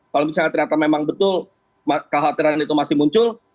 kalau misalnya ternyata memang betul kekhawatiran itu masih muncul